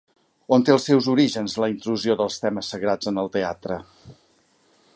On té els seus orígens la intrusió dels temes sagrats en el teatre?